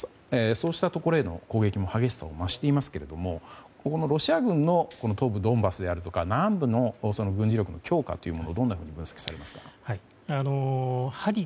そうしたところへの攻撃が激しさを増していますがロシア軍の東部ドンバスであるとか南部の軍事力の強化というものをどんなふうに分析されますか。